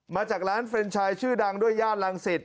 มาจากร้านเฟรนชายชื่อดังด้วยย่านรังสิต